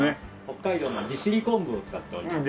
北海道の利尻昆布を使っております。